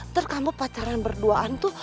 ntar kamu pacaran berduaan tuh